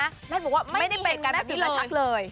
แมทบอกว่าไม่มีเหตุการณ์แบบนี้เลยไม่ได้เป็นแมทสื่อแมทชักเลย